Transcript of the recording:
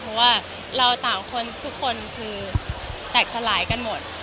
เพราะว่าเราต่างคนทุกคนคือแตกสลายกันหมด